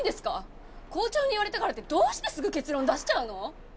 校長に言われたからってどうしてすぐ結論出しちゃうの？